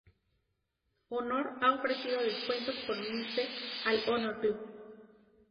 Honor ha ofrecido descuentos por unirse al "Honor Club".